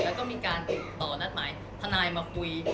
แล้วก็มีการติดต่อนัดหมายทนายมาคุย